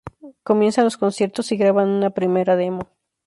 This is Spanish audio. Comienzan los conciertos y graban una primera demo.